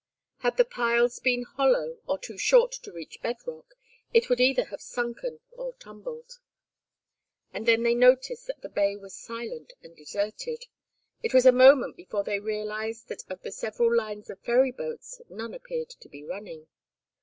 Had the piles been hollow, or too short to reach bed rock, it would either have sunken or tumbled. And then they noticed that the bay was silent and deserted. It was a moment before they realized that of the several lines of ferry boats none appeared to be running.